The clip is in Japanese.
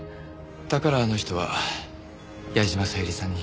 だからあの人は矢嶋小百合さんに。